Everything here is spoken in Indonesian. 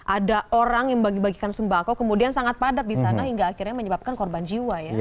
ada orang yang membagi bagikan sembako kemudian sangat padat di sana hingga akhirnya menyebabkan korban jiwa ya